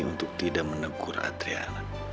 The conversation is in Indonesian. untuk tidak menegur adriana